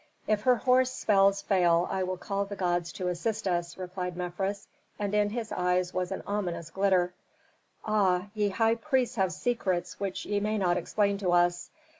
"If Herhor's spells fail I will call the gods to assist us," replied Mefres, and in his eyes was an ominous glitter. "Ah, ye high priests have secrets which ye may not explain to us.